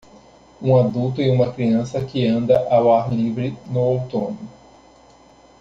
Um adulto e uma criança que anda ao ar livre no outono.